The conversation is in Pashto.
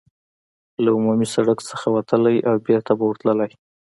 له عمومي سړک ته وتلای او بېرته به ورتللای.